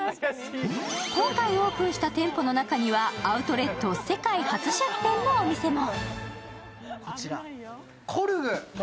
今回オープンした店舗の中にはアウトレット世界初出店のお店も。